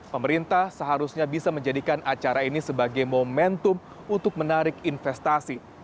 pemerintah seharusnya bisa menjadikan acara ini sebagai momentum untuk menarik investasi